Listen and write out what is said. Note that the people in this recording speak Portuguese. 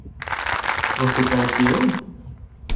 Você quer que eu?